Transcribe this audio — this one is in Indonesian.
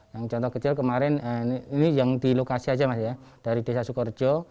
yang contoh kecil kemarin ini yang di lokasi aja mas ya dari desa sukorejo